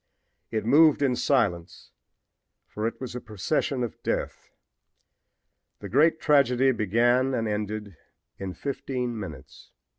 It moved in silence, for it was a procession of death. The great tragedy began and ended in fifteen minutes.